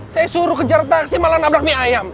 saya suruh kejar taksi malah nabrak mie ayam